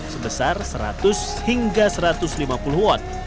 sebesar seratus hingga satu ratus lima puluh watt